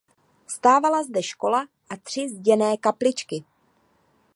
Stávala zde škola a tři zděné kapličky.